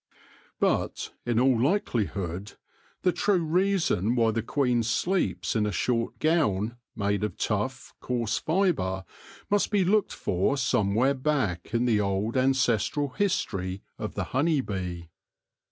But, in all likelihood, the true reason why the queen sleeps in a short gown made of tough, coarse fibre must be looked for somewhere back in the old ancestral history of the honey bee.